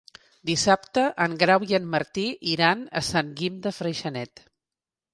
Dissabte en Grau i en Martí iran a Sant Guim de Freixenet.